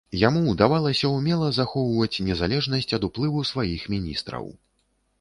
Яму ўдавалася ўмела захоўваць незалежнасць ад уплыву сваіх міністраў.